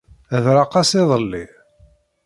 Hedreq-as iḍelli.